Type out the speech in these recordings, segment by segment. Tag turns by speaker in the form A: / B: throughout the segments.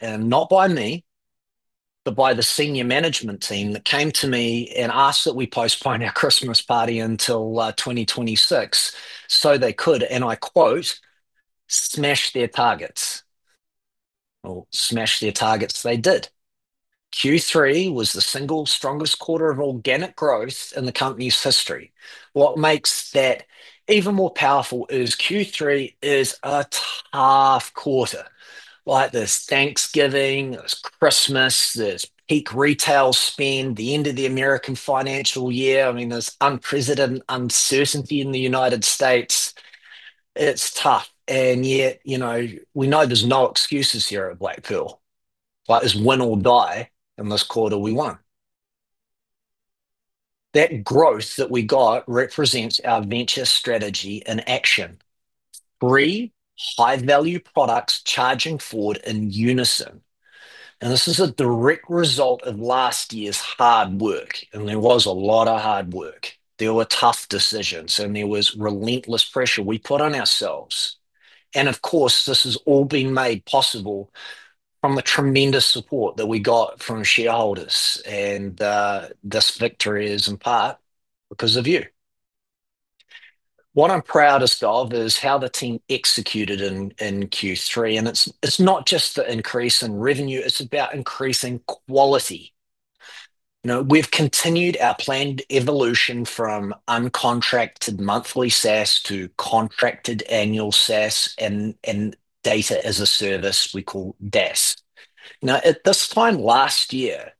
A: And not by me, but by the senior management team that came to me and asked that we postpone our Christmas party until 2026 so they could, and I quote, "Smash their targets." Well, smash their targets they did. Q3 was the single strongest quarter of organic growth in the company's history. What makes that even more powerful is Q3 is a tough quarter. Like, there's Thanksgiving, there's Christmas, there's peak retail spend, the end of the American financial year. I mean, there's unprecedented uncertainty in the United States. It's tough, and yet, you know, we know there's no excuses here at Black Pearl. Like, it's win or die, and this quarter we won. That growth that we got represents our venture strategy in action. Three high-value products charging forward in unison, and this is a direct result of last year's hard work, and there was a lot of hard work. There were tough decisions, and there was relentless pressure we put on ourselves. And of course, this has all been made possible from the tremendous support that we got from shareholders, and this victory is in part because of you. What I'm proudest of is how the team executed in Q3, and it's not just the increase in revenue, it's about increasing quality. You know, we've continued our planned evolution from uncontracted monthly SaaS to contracted annual SaaS and Data as a Service we call DaaS. Now, at this time last year,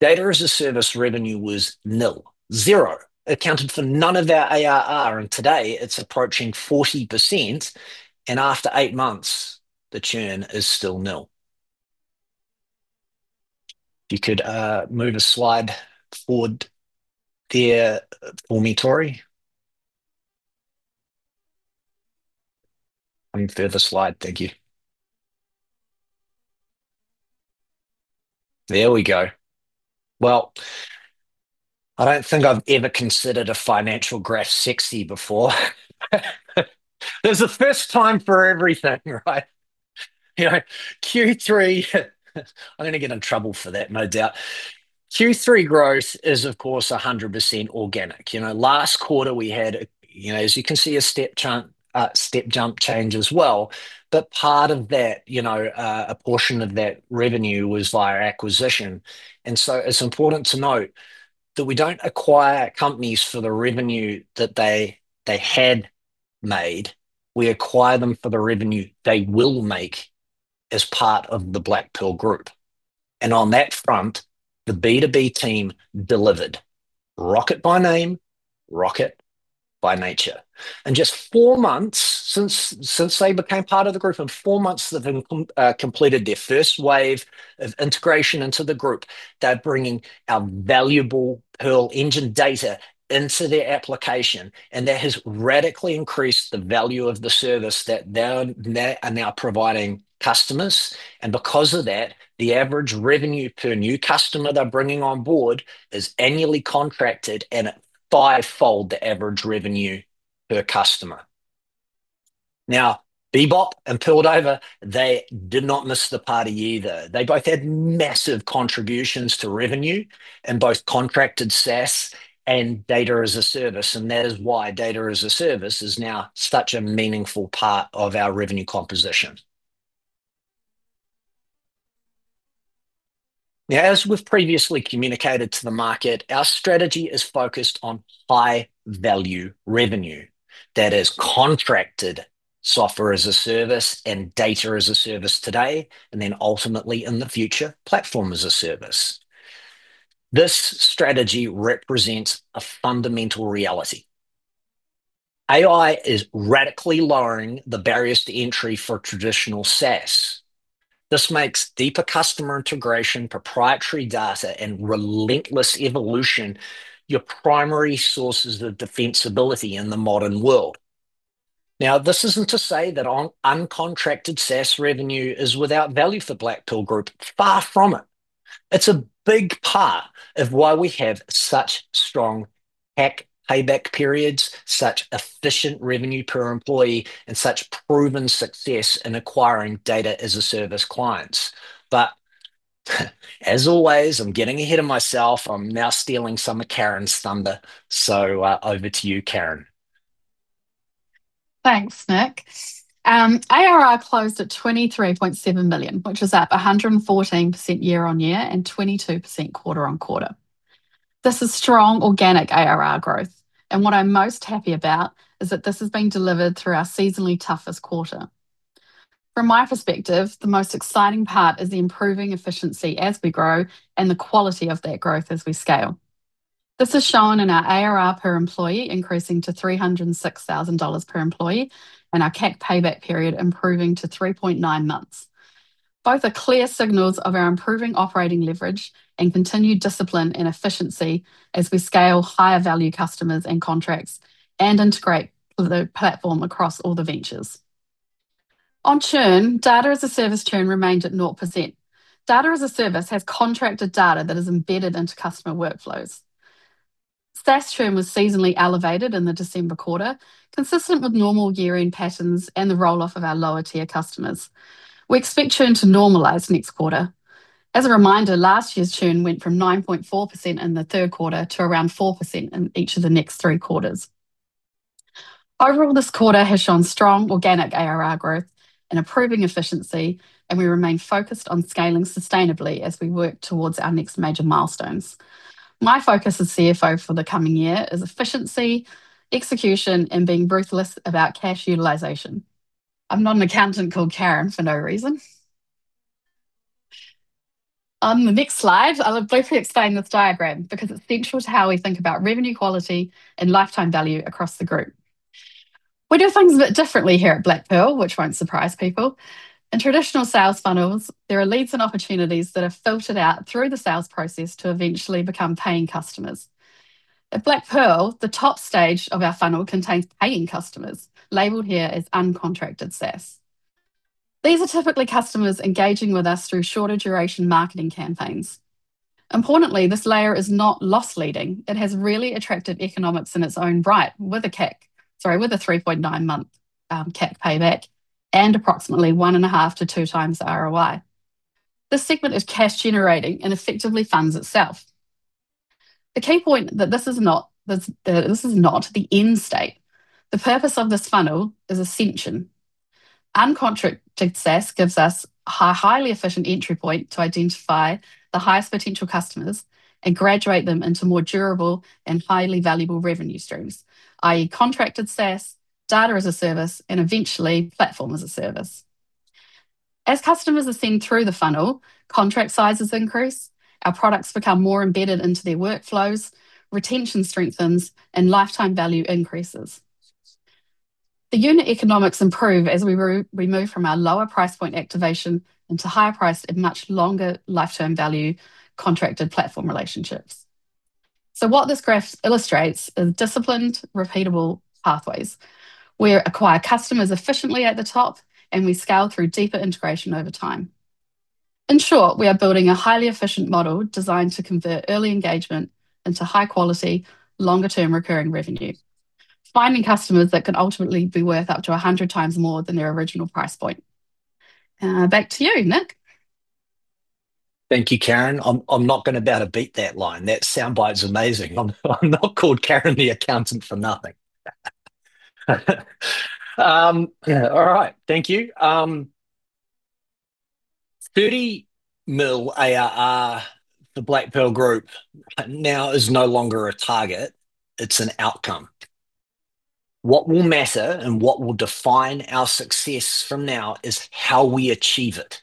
A: Data as a Service revenue was nil. Zero. Accounted for none of our ARR, and today it's approaching 40%, and after 8 months, the churn is still nil. If you could move a slide forward there for me, Tori. One further slide, thank you. There we go. Well, I don't think I've ever considered a financial graph sexy before. There's a first time for everything, right? You know, Q3, I'm gonna get in trouble for that, no doubt. Q3 growth is, of course, 100% organic. You know, last quarter we had, you know, as you can see, a step-jump change as well, but part of that, you know, a portion of that revenue was via acquisition. So it's important to note that we don't acquire companies for the revenue that they, they had made, we acquire them for the revenue they will make as part of the Black Pearl Group. On that front, the B2B Rocket team delivered. Rocket by name, rocket by nature. In just four months since they became part of the group, they've completed their first wave of integration into the group. They're bringing our valuable Pearl Engine data into their application, and that has radically increased the value of the service that they're now providing customers. And because of that, the average revenue per new customer they're bringing on board is annually contracted and fivefold the average revenue per customer. Now, Bebop and Pearl Diver, they did not miss the party either. They both had massive contributions to revenue in both contracted SaaS and Data as a Service, and that is why Data as a Service is now such a meaningful part of our revenue composition. Now, as we've previously communicated to the market, our strategy is focused on high-value revenue. That is contracted Software as a Service and Data as a Service today, and then ultimately, in the future, Platform as a Service. This strategy represents a fundamental reality. AI is radically lowering the barriers to entry for traditional SaaS. This makes deeper customer integration, proprietary data, and relentless evolution your primary sources of defensibility in the modern world. Now, this isn't to say that non-contracted SaaS revenue is without value for Black Pearl Group. Far from it. It's a big part of why we have such strong CAC payback periods, such efficient revenue per employee, and such proven success in acquiring Data as a Service clients. But, as always, I'm getting ahead of myself. I'm now stealing some of Karen's thunder, so, over to you, Karen.
B: Thanks, Nick. ARR closed at 23.7 million, which is up 114% year-on-year and 22% quarter-on-quarter. This is strong organic ARR growth, and what I'm most happy about is that this has been delivered through our seasonally toughest quarter. From my perspective, the most exciting part is the improving efficiency as we grow and the quality of that growth as we scale. This is shown in our ARR per employee increasing to 306,000 dollars per employee, and our CAC payback period improving to 3.9 months. Both are clear signals of our improving operating leverage and continued discipline and efficiency as we scale higher-value customers and contracts and integrate the platform across all the ventures. On churn, Data as a Service churn remained at 0%. Data as a Service has contracted data that is embedded into customer workflows. SaaS churn was seasonally elevated in the December quarter, consistent with normal year-end patterns and the roll-off of our lower-tier customers. We expect churn to normalize next quarter. As a reminder, last year's churn went from 9.4% in the third quarter to around 4% in each of the next three quarters. Overall, this quarter has shown strong organic ARR growth and improving efficiency, and we remain focused on scaling sustainably as we work towards our next major milestones. My focus as CFO for the coming year is efficiency, execution, and being ruthless about cash utilization. I'm not an accountant called Karen for no reason. On the next slide, I'll briefly explain this diagram because it's central to how we think about revenue quality and lifetime value across the group. We do things a bit differently here at Black Pearl, which won't surprise people. In traditional sales funnels, there are leads and opportunities that are filtered out through the sales process to eventually become paying customers. At Black Pearl, the top stage of our funnel contains paying customers, labeled here as uncontracted SaaS. These are typically customers engaging with us through shorter duration marketing campaigns. Importantly, this layer is not loss leading. It has really attractive economics in its own right, with a 3.9-month CAC payback and approximately 1.5-2x the ROI. This segment is cash generating and effectively funds itself. The key point that this is not the end state. The purpose of this funnel is ascension. Uncontracted SaaS gives us a highly efficient entry point to identify the highest potential customers and graduate them into more durable and highly valuable revenue streams, i.e., contracted SaaS, Data as a Service, and eventually, Platform as a Service. As customers are seen through the funnel, contract sizes increase, our products become more embedded into their workflows, retention strengthens, and lifetime value increases. The unit economics improve as we move from our lower price point activation into higher price and much longer lifetime value contracted platform relationships. So what this graph illustrates is disciplined, repeatable pathways, where acquire customers efficiently at the top, and we scale through deeper integration over time. In short, we are building a highly efficient model designed to convert early engagement into high quality, longer-term recurring revenue, finding customers that can ultimately be worth up to 100 times more than their original price point. Back to you, Nick.
A: Thank you, Karen. I'm not gonna be able to beat that line. That soundbite's amazing. I'm not called Karen the accountant for nothing. All right, thank you. 30 million ARR, the Black Pearl Group, now is no longer a target, it's an outcome. What will matter, and what will define our success from now is how we achieve it.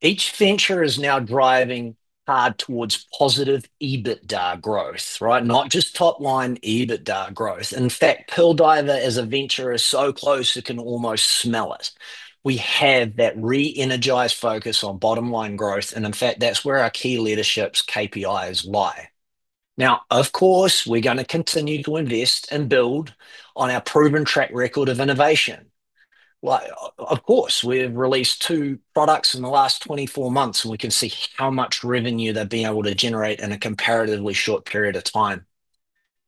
A: Each venture is now driving hard towards positive EBITDA growth, right? Not just top line EBITDA growth. In fact, Pearl Diver as a venture is so close it can almost smell it. We have that re-energized focus on bottom-line growth, and in fact, that's where our key leadership's KPIs lie. Now, of course, we're gonna continue to invest and build on our proven track record of innovation. Well, of course, we've released two products in the last 24 months, and we can see how much revenue they've been able to generate in a comparatively short period of time.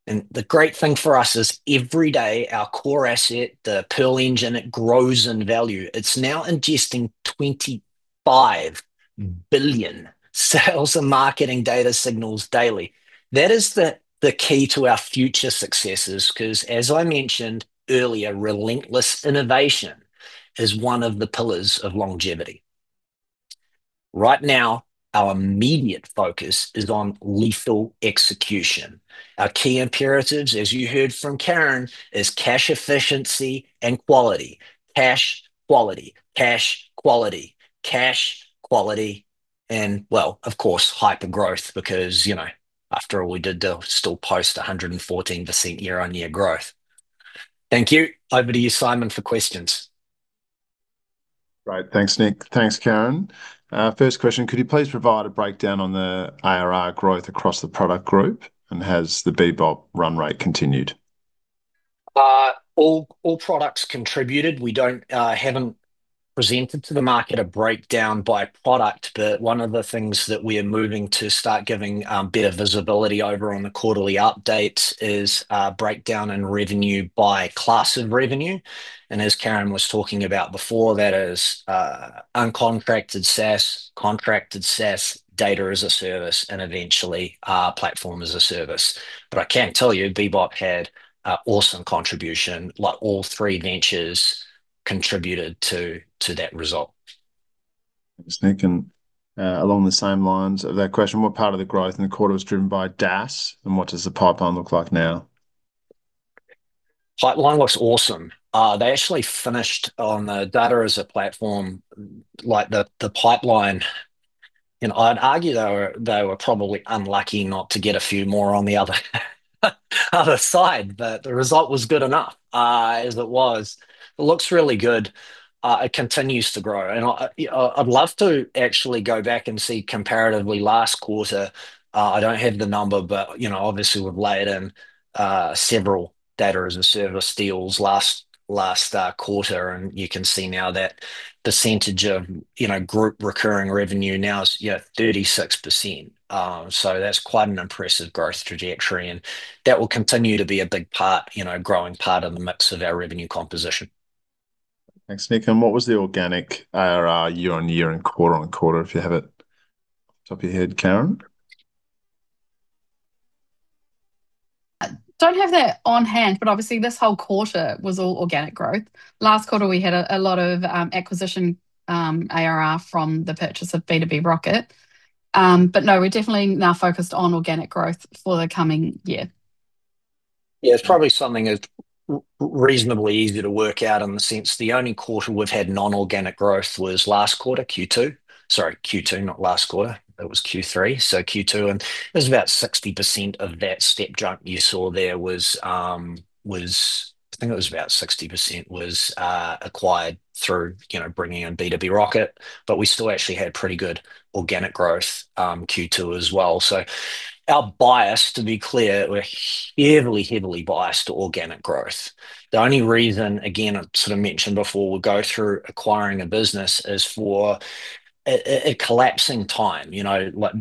A: And the great thing for us is every day, our core asset, the Pearl Engine, it grows in value. It's now ingesting 25 billion sales and marketing data signals daily. That is the key to our future successes, 'cause as I mentioned earlier, relentless innovation is one of the pillars of longevity. Right now, our immediate focus is on lethal execution. Our key imperatives, as you heard from Karen, is cash efficiency and quality, cash quality, cash quality, cash quality, and well, of course, hypergrowth, because, you know, after all, we did still post 114% year-on-year growth. Thank you. Over to you, Simon, for questions.
C: Great. Thanks, Nick. Thanks, Karen. First question: Could you please provide a breakdown on the ARR growth across the product group, and has the Bebop run rate continued?
A: All, all products contributed. We don't haven't presented to the market a breakdown by product, but one of the things that we are moving to start giving better visibility over on the quarterly updates is breakdown in revenue by class of revenue. As Karen was talking about before, that is uncontracted SaaS, contracted SaaS, Data as a Service, and eventually Platform as a Service. But I can tell you, Bebop had a awesome contribution, like all three ventures contributed to that result.
C: Thanks, Nick, and along the same lines of that question, what part of the growth in the quarter was driven by DaaS, and what does the pipeline look like now?
A: Pipeline looks awesome. They actually finished on the Data as a Service platform, like the pipeline, and I'd argue they were probably unlucky not to get a few more on the other side, but the result was good enough, as it was. It looks really good. It continues to grow, and I'd love to actually go back and see comparatively last quarter. I don't have the number, but, you know, obviously, we've laid in several Data as a Service deals last quarter, and you can see now that percentage of, you know, group recurring revenue now is, yeah, 36%. So that's quite an impressive growth trajectory, and that will continue to be a big part, you know, growing part in the mix of our revenue composition.
C: Thanks, Nick. What was the organic ARR year-over-year and quarter-over-quarter, if you have it off the top of your head, Karen?
B: I don't have that on hand, but obviously this whole quarter was all organic growth. Last quarter, we had a lot of acquisition ARR from the purchase of B2B Rocket. But no, we're definitely now focused on organic growth for the coming year.
A: Yeah, it's probably something that's reasonably easy to work out in the sense the only quarter we've had non-organic growth was last quarter, Q2. Sorry, Q2, not last quarter, it was Q3. So Q2, and it was about 60% of that step jump you saw there was, I think it was about 60% was acquired through, you know, bringing in B2B Rocket, but we still actually had pretty good organic growth, Q2 as well. So our bias, to be clear, we're heavily, heavily biased to organic growth. The only reason, again, I sort of mentioned before we go through acquiring a business is for a collapsing time. You know, like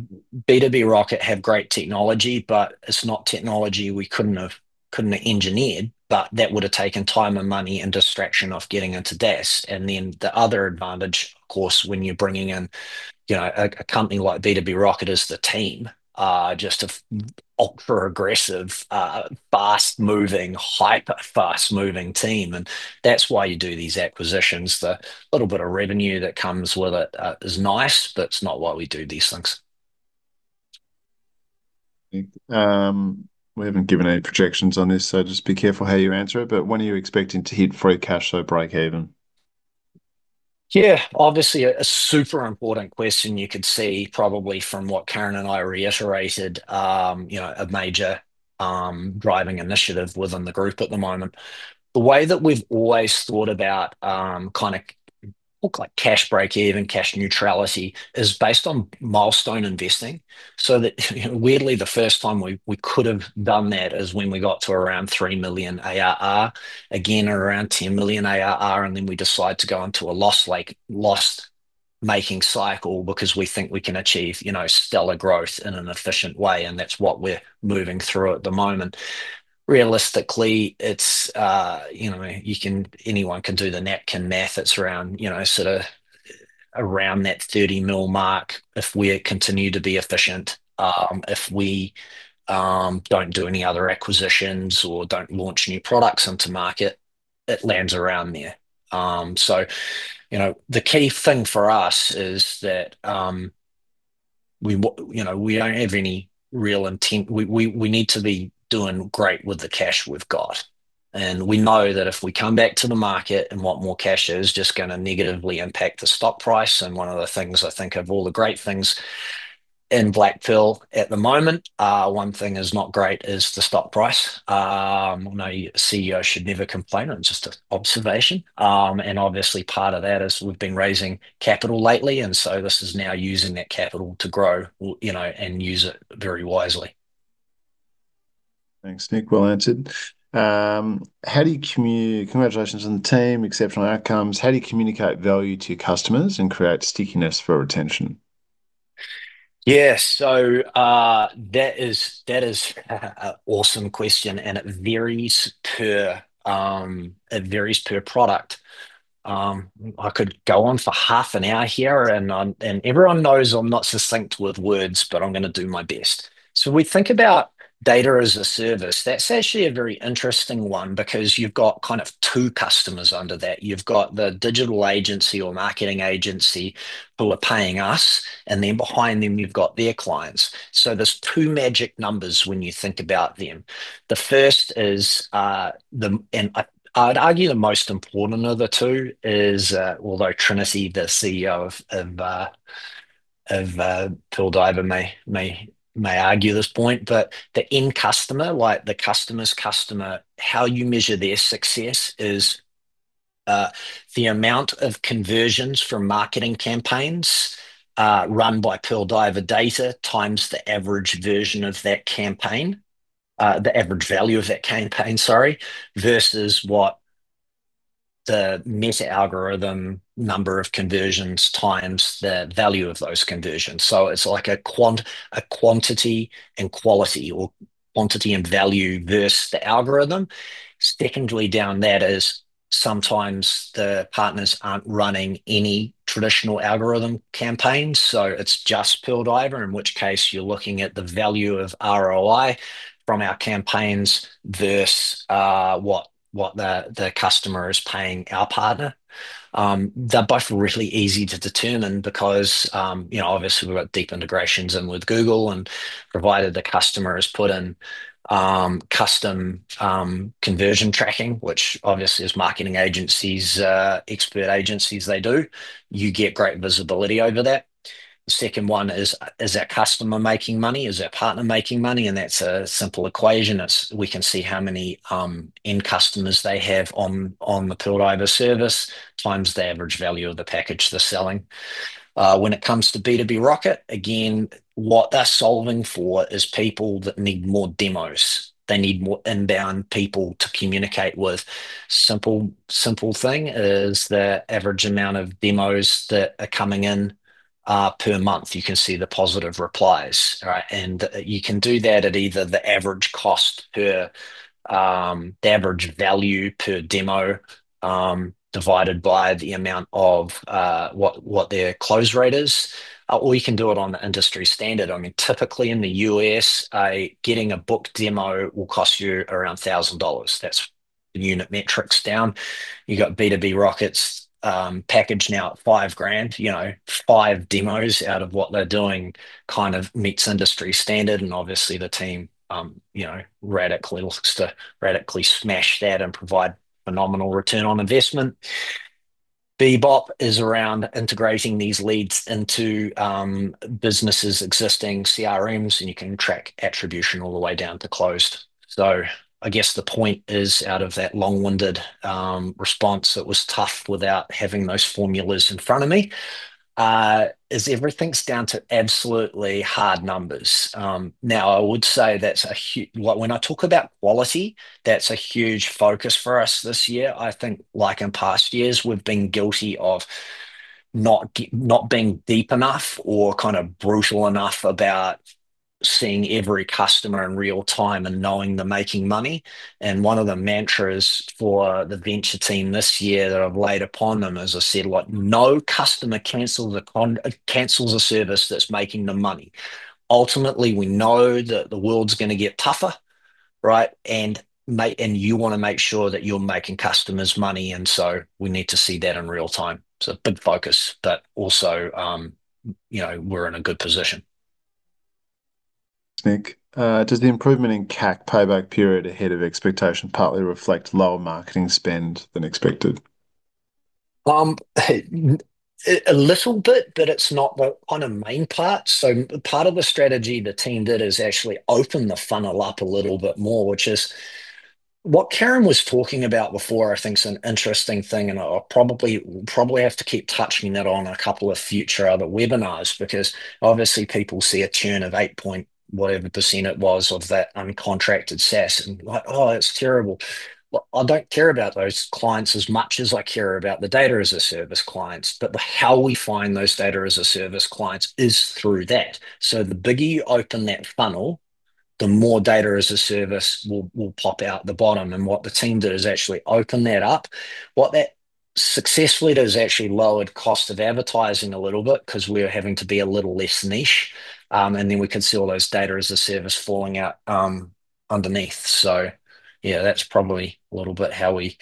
A: B2B Rocket have great technology, but it's not technology we couldn't have engineered, but that would have taken time and money and distraction of getting into this. And then the other advantage, of course, when you're bringing in, you know, a company like B2B Rocket, is the team. Just an ultra aggressive, fast-moving, hyper fast-moving team, and that's why you do these acquisitions. The little bit of revenue that comes with it is nice, but it's not why we do these things.
C: We haven't given any projections on this, so just be careful how you answer it, but when are you expecting to hit free cash flow break even?
A: Yeah, obviously, a super important question you could see probably from what Karen and I reiterated, you know, a major driving initiative within the group at the moment. The way that we've always thought about, kind of look like cash break even, cash neutrality is based on milestone investing. So that, weirdly, the first time we could have done that is when we got to around 3 million ARR, again, around 10 million ARR, and then we decide to go into a loss, like, loss making cycle because we think we can achieve, you know, stellar growth in an efficient way, and that's what we're moving through at the moment. Realistically, it's, you know, you can, anyone can do the napkin math. It's around, you know, sort of around that 30 million mark if we continue to be efficient, if we don't do any other acquisitions or don't launch new products into market, it lands around there. So, you know, the key thing for us is that, we, you know, we don't have any real intent. We need to be doing great with the cash we've got, and we know that if we come back to the market and want more cash, it is just going to negatively impact the stock price. And one of the things I think of all the great things in Black Pearl at the moment, one thing is not great is the stock price. No CEO should never complain, it's just an observation. And obviously, part of that is we've been raising capital lately, and so this is now using that capital to grow, you know, and use it very wisely.
C: Thanks, Nick. Well answered. Congratulations on the team, exceptional outcomes. How do you communicate value to your customers and create stickiness for retention?
A: Yeah. So, that is, that is an awesome question, and it varies per, it varies per product. I could go on for half an hour here, and everyone knows I'm not succinct with words, but I'm going to do my best. So we think about Data as a Service. That's actually a very interesting one because you've got kind of two customers under that. You've got the digital agency or marketing agency who are paying us, and then behind them, you've got their clients. So there's two magic numbers when you think about them. The first is, the. I'd argue the most important of the two is, although Trinity, the CEO of Pearl Diver, may argue this point, but the end customer, like the customer's customer, how you measure their success is the amount of conversions from marketing campaigns run by Pearl Diver data, times the average version of that campaign, the average value of that campaign, sorry, versus what the Meta algorithm, number of conversions, times the value of those conversions. So it's like a quantity and quality or quantity and value versus the algorithm. Secondly, down that is, sometimes the partners aren't running any traditional algorithm campaigns, so it's just Pearl Diver, in which case you're looking at the value of ROI from our campaigns versus what the customer is paying our partner. They're both really easy to determine because, you know, obviously, we've got deep integrations in with Google and provided the customer has put in, custom, conversion tracking, which obviously is marketing agencies, expert agencies, they do. You get great visibility over that. Second one is, is our customer making money? Is our partner making money? And that's a simple equation. It's we can see how many, end customers they have on, on the Pearl Diver service, times the average value of the package they're selling. When it comes to B2B Rocket, again, what they're solving for is people that need more demos. They need more inbound people to communicate with. Simple, simple thing is the average amount of demos that are coming in, per month. You can see the positive replies, all right? You can do that at either the average cost per, the average value per demo, divided by the amount of, what their close rate is, or you can do it on the industry standard. I mean, typically in the U.S., getting a booked demo will cost you around $1,000. That's unit metrics down. You've got B2B Rocket's package now at $5,000, you know, five demos out of what they're doing, kind of meets industry standard, and obviously the team, you know, radically looks to radically smash that and provide phenomenal return on investment. Bebop is around integrating these leads into, businesses' existing CRMs, and you can track attribution all the way down to closed. So I guess the point is, out of that long-winded response that was tough without having those formulas in front of me, is everything's down to absolutely hard numbers. Now, I would say that's a well, when I talk about quality, that's a huge focus for us this year. I think, like in past years, we've been guilty of not not being deep enough or kind of brutal enough about seeing every customer in real time and knowing they're making money. And one of the mantras for the venture team this year that I've laid upon them, as I said, like, no customer cancels a cancels a service that's making them money. Ultimately, we know that the world's going to get tougher, right? You want to make sure that you're making customers money, and so we need to see that in real time. It's a big focus, but also, you know, we're in a good position.
C: Nick, does the improvement in CAC payback period ahead of expectation partly reflect lower marketing spend than expected?
A: A little bit, but it's not the kind of main part. So part of the strategy the team did is actually open the funnel up a little bit more, which is what Karen was talking about before. I think is an interesting thing, and I'll probably have to keep touching that on a couple of future other webinars, because obviously people see a churn of eight-point whatever % it was of that uncontracted SaaS, and like, "Oh, that's terrible." Well, I don't care about those clients as much as I care about the Data as a Service clients, but how we find those Data as a Service clients is through that. So the bigger you open that funnel, the more Data as a Service will pop out the bottom, and what the team did is actually open that up. What that successfully does is actually lowered cost of advertising a little bit because we're having to be a little less niche, and then we can see all those Data as a Service falling out, underneath. So, yeah, that's probably a little bit how we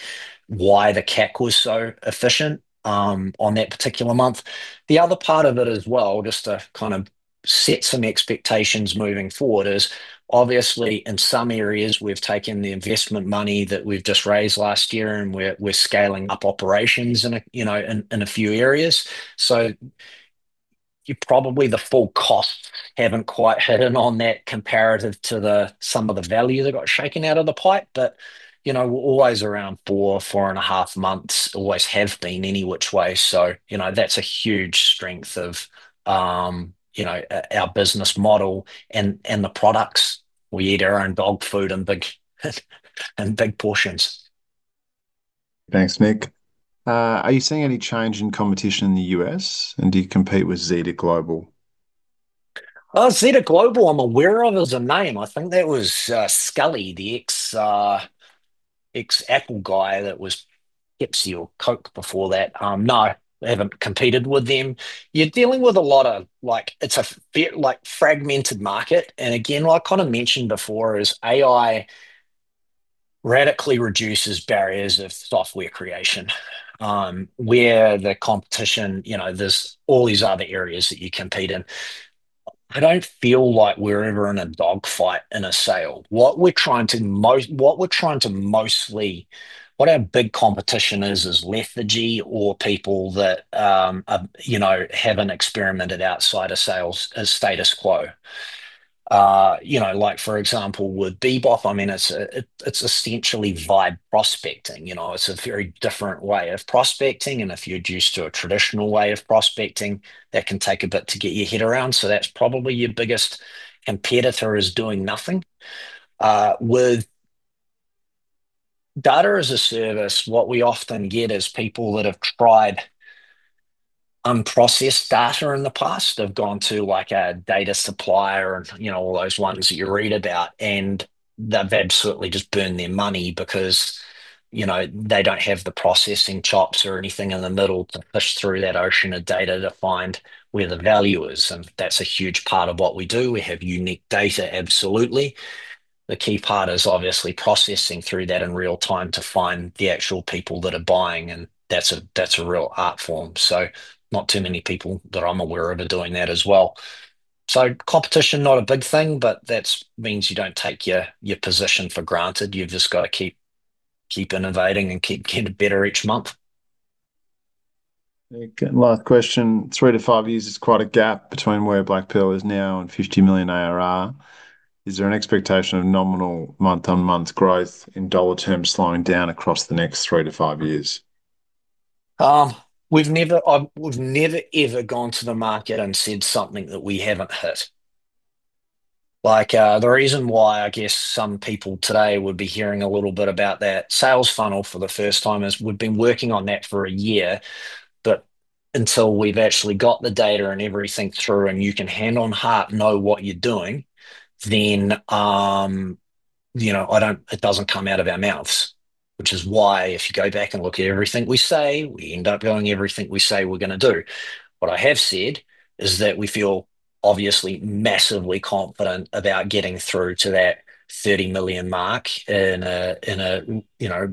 A: why the CAC was so efficient, on that particular month. The other part of it as well, just to kind of set some expectations moving forward, is obviously in some areas, we've taken the investment money that we've just raised last year, and we're scaling up operations in a, you know, in a few areas. So you probably the full costs haven't quite hit in on that comparative to the some of the value that got shaken out of the pipe. But, you know, we're always around 4-4.5 months, always have been any which way, so, you know, that's a huge strength of our business model and the products. We eat our own dog food in big portions.
C: Thanks, Nick. Are you seeing any change in competition in the U.S., and do you compete with Zeta Global?
A: Zeta Global, I'm aware of as a name. I think that was Sculley, the ex-Apple guy that was Pepsi or Coke before that. No, we haven't competed with them. You're dealing with a lot of, like, it's a fragmented market, and again, what I kind of mentioned before is AI radically reduces barriers of software creation, where the competition, you know, there's all these other areas that you compete in. I don't feel like we're ever in a dogfight in a sale. What we're trying to mostly, what our big competition is, is lethargy or people that, you know, haven't experimented outside of sales as status quo. You know, like, for example, with Bebop, I mean, it's essentially vibe prospecting. You know, it's a very different way of prospecting, and if you're used to a traditional way of prospecting, that can take a bit to get your head around. So that's probably your biggest competitor, is doing nothing. With Data as a Service, what we often get is people that have tried unprocessed data in the past. They've gone to, like, a data supplier and, you know, all those ones that you read about, and they've absolutely just burned their money because, you know, they don't have the processing chops or anything in the middle to push through that ocean of data to find where the value is, and that's a huge part of what we do. We have unique data, absolutely. The key part is obviously processing through that in real time to find the actual people that are buying, and that's a, that's a real art form. So not too many people that I'm aware of are doing that as well. So competition, not a big thing, but that means you don't take your position for granted. You've just got to keep innovating and keep getting better each month.
C: Nick, and last question. 3-5 years is quite a gap between where Black Pearl is now and 50 million ARR. Is there an expectation of nominal month-on-month growth in dollar terms slowing down across the next 3-5 years?
A: We've never, we've never, ever gone to the market and said something that we haven't hit. Like, the reason why, I guess, some people today would be hearing a little bit about that sales funnel for the first time is we've been working on that for a year, but until we've actually got the data and everything through, and you can hand on heart know what you're doing, then, you know, I don't- it doesn't come out of our mouths. Which is why if you go back and look at everything we say, we end up doing everything we say we're going to do. What I have said is that we feel, obviously massively confident about getting through to that 30 million mark in a, in a, you know,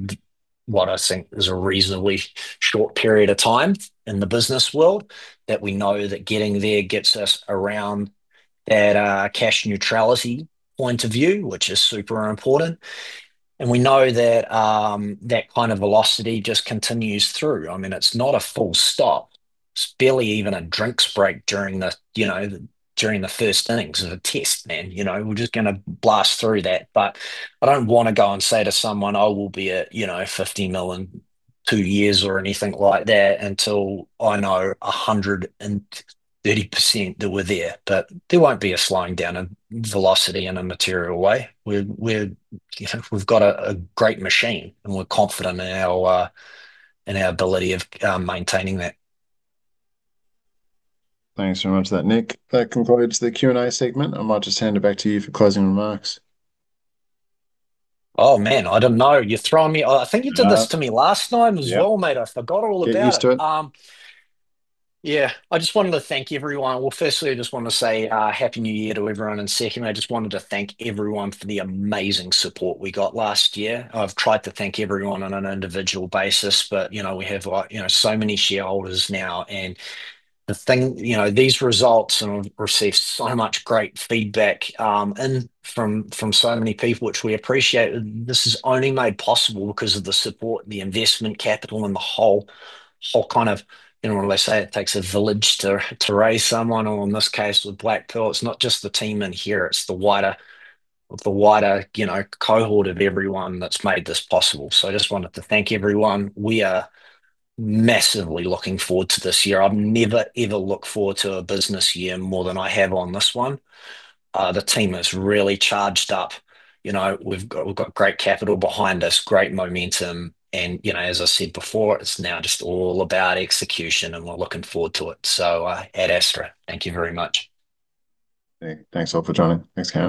A: what I think is a reasonably short period of time in the business world. That we know that getting there gets us around that, cash neutrality point of view, which is super important. And we know that that kind of velocity just continues through. I mean, it's not a full stop. It's barely even a drinks break during the, you know, during the first innings of a test, man, you know? We're just gonna blast through that, but I don't wanna go and say to someone, "Oh, we'll be at, you know, 50 million in two years," or anything like that until I know 130% that we're there. But there won't be a slowing down of velocity in a material way. We're you know, we've got a great machine, and we're confident in our in our ability of maintaining that.
C: Thanks very much for that, Nick. That concludes the Q&A segment. I might just hand it back to you for closing remarks.
A: Oh, man, I don't know. You're throwing me. Oh, I think you did this-
C: Uh. To me last time as well, mate. Yep.
A: I forgot all about it.
C: Get used to it.
A: Yeah, I just wanted to thank everyone. Well, firstly, I just wanna say Happy New Year to everyone, and secondly, I just wanted to thank everyone for the amazing support we got last year. I've tried to thank everyone on an individual basis, but, you know, we have, like, you know, so many shareholders now, and the thing. You know, these results, and I've received so much great feedback in from so many people, which we appreciate, and this is only made possible because of the support, the investment capital and the whole kind of, you know, when they say it takes a village to raise someone, or in this case, with Black Pearl, it's not just the team in here, it's the wider, you know, cohort of everyone that's made this possible. So I just wanted to thank everyone. We are massively looking forward to this year. I've never, ever looked forward to a business year more than I have on this one. The team is really charged up. You know, we've got, we've got great capital behind us, great momentum, and, you know, as I said before, it's now just all about execution, and we're looking forward to it. So, Ad astra. Thank you very much.
C: Thanks all for joining. Thanks. [inaudible]